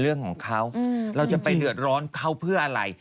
เราจะไปเหลือร้อนเขาเพื่ออะไร